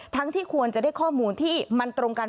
ที่ควรจะได้ข้อมูลที่มันตรงกัน